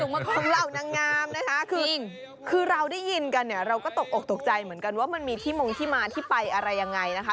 ของเหล่านางงามนะคะคือเราได้ยินกันเนี่ยเราก็ตกอกตกใจเหมือนกันว่ามันมีที่มงที่มาที่ไปอะไรยังไงนะคะ